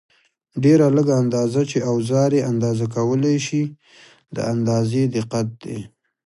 ډېره لږه اندازه چې اوزار یې اندازه کولای شي د اندازې دقت دی.